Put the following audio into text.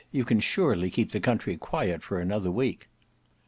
You can surely keep the country quiet for another week."